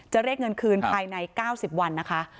เรียกเงินคืนภายใน๙๐วันนะคะ